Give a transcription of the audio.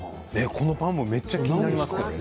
このパンもめっちゃ気になりますね。